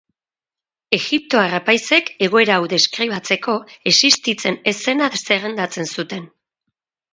Egiptoar apaizek, egoera hau deskribatzeko, existitzen ez zena zerrendatzen zuten.